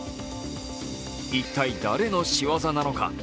一体、誰のしわざなのか。